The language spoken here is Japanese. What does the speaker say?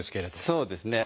そうですね。